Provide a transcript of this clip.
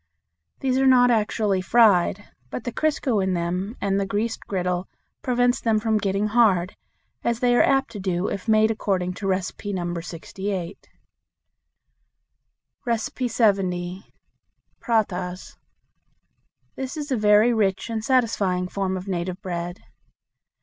These are not actually fried, but the crisco in them and the greased griddle prevents them from getting hard, as they are apt to do if made according to No. 68. 70. Prahatas. This is a very rich and satisfying form of native bread.